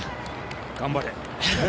頑張れ。